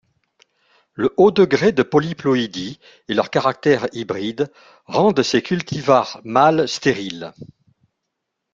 Le haut degré de polyploïdie et leur caractère hybride, rendent ces cultivars male-stériles.